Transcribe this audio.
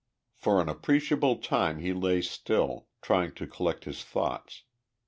For an appreciable time he lay still, trying to collect his thoughts.